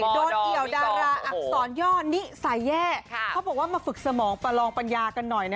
ซื้อจะน่มีห่วงพ่อความโพสต์ผ่านเฟซบุ๊คลายหนึ่ง